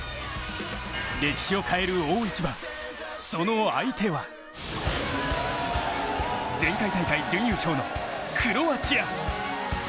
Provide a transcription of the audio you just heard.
歴史を変える大一番、その相手は前回大会準優勝のクロアチア。